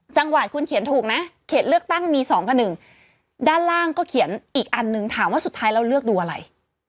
จังหวัดคุณเขียนถูกนะเขตเลือกตั้งมี๒กับ๑ด้านล่างก็เขียนอีกอันนึงถามว่าสุดท้ายเราเลือกดูอะไร